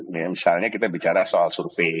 misalnya kita bicara soal survei